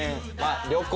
旅行。